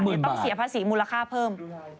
เดี๋ยวต้องเสียภาษีมูลค่าเพิ่ม